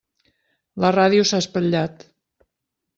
La ràdio s'ha espatllat.